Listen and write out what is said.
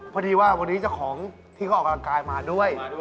พอดีว่าวันนี้เจ้าของที่เขาออกกำลังกายมาด้วย